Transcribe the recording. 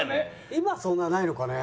今そんなないのかね？